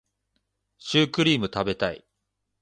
シュークリーム食べたい